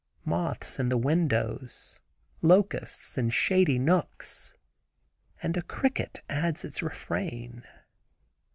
Moths in the windows, locusts in shady nooks, and a cricket adds its refrain.